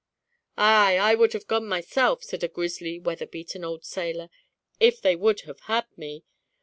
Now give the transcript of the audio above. "Aye! I would have gone myself," said a grizzly, weatherbeaten old sailor, "if they would have had me.